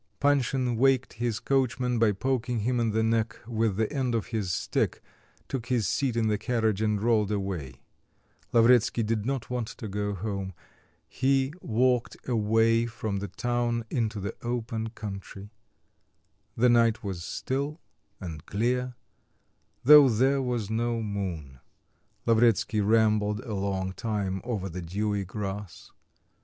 Panshin waked his coachman by poking him in the neck with the end of his stick, took his seat in the carriage and rolled away. Lavretsky did not want to go home. He walked away from the town into the open country. The night was still and clear, though there was no moon. Lavretsky rambled a long time over the dewy grass.